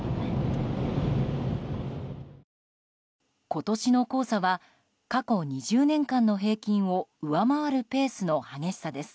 今年の黄砂は過去２０年間の平均を上回るペースの激しさです。